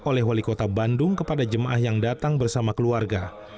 oleh wali kota bandung kepada jemaah yang datang bersama keluarga